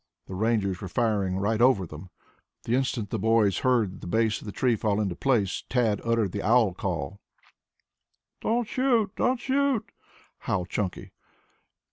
The Rangers were firing right over them. The instant the boys heard the base of the tree fall into place, Tad uttered the owl call. "Don't shoot, don't shoot!" howled Chunky.